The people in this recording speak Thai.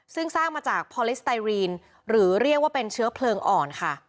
ซึ่งสร้างมาจากพอลิสไตรีนหรือเรียกว่าเป็นเชื้อเพลิงอ่อนค่ะ